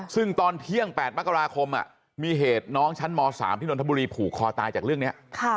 ซึ่งตอนเที่ยง๘มกราคมมีเหตุน้องชั้นม๓ที่นนทบุรีผูกคอตายจากเรื่องนี้